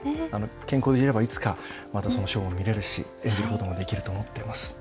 健康でいればまたそのショーも見れるし演技も見ることができると思っています。